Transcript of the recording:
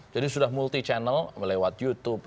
jadi sudah multichannel lewat youtube